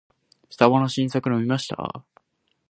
スタバの新作飲みました？